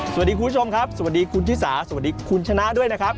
คุณผู้ชมครับสวัสดีคุณชิสาสวัสดีคุณชนะด้วยนะครับ